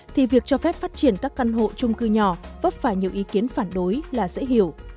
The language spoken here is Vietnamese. thì việc cho phép phát triển các căn hộ trung cư nhỏ vấp phải nhiều ý kiến phản đối là dễ hiểu